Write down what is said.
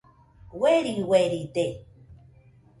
Ueri ueride